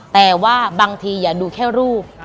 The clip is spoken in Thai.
แต่ว่าบางทีอย่าดูแค่รูป